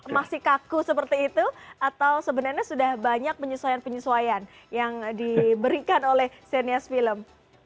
masih kaku seperti itu atau sebenarnya sudah banyak penyesuaian penyesuaian yang diberikan oleh xenias film